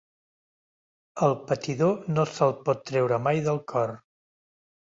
El patidor no se'l pot treure mai del cor.